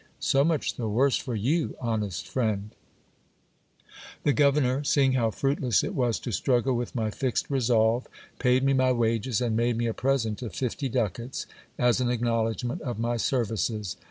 So much the worse for you, honest friend ! The governor, seeing how fruitless it was to struggle with my fixed resolve, paid me my wages, and made me a present of fifty ducats as an acknowledgment of my services.